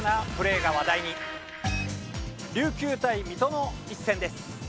琉球対水戸の一戦です。